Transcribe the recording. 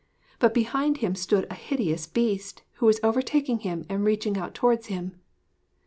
But behind him stood a hideous Beast who was overtaking him and reaching out towards him.